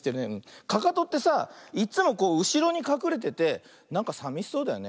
かかとってさいっつもこううしろにかくれててなんかさみしそうだよね。